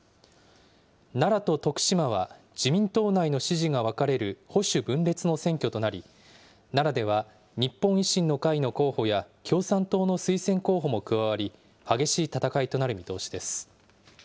奈良と徳島は、自民党内の支持が分かれる保守分裂の選挙となり、奈良では日本維新の会の候補や共産党の推薦候補も加わり、激しい戦いとなる見通しです。